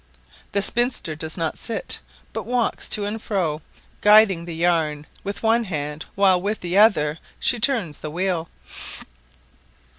The spinster does not sit, but walks to and fro, guiding the yarn with one hand while with the other she turns the wheel.